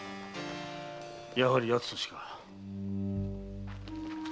やはり奴としか。